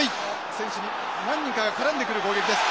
選手に何人かが絡んでくる攻撃です。